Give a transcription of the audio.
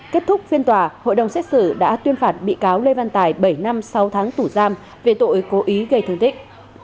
kết thúc phiên tòa hội đồng xét xử đã tuyên phạt bị cáo lê văn tài bảy năm sáu tháng tủ giam về tội cố ý gây thương tích